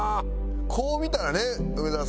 こう見たらね梅沢さん